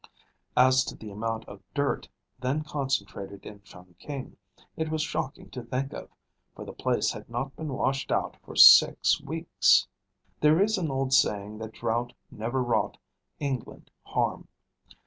As to the amount of dirt then concentrated in Chungking, it was shocking to think of; for the place had not been washed out for six weeks. There is an old saying that drought never wrought England harm.